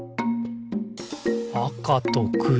「あかとくろ」